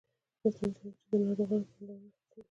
مصنوعي ځیرکتیا د ناروغانو پاملرنه ښه کوي.